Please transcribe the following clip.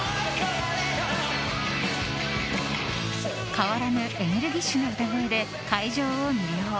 変わらぬエネルギッシュな歌声で会場を魅了。